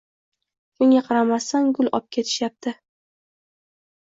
Shunga qaramasdan gul opketishyapti